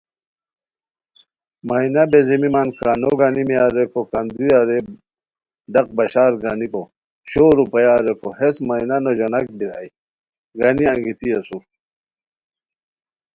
مینا بیزیمیمان کانو گانیمینا ریکو کندوریہ رے ڈاق بشار گانیکو شور روپیہ ریکو ہیس مینا نوژاناک بیرائے گانی انگیتی اسور